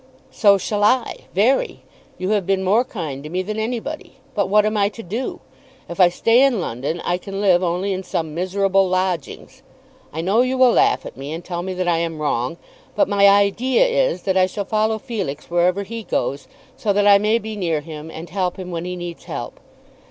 "So shall I, very. You have been more kind to me than anybody. But what am I to do? If I stay in London I can live only in some miserable lodgings. I know you will laugh at me, and tell me that I am wrong; but my idea is that I shall follow Felix wherever he goes, so that I may be near him and help him when he needs help.